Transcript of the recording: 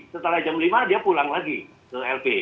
setelah jam lima dia pulang lagi ke lp